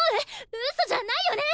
ウソじゃないよね！？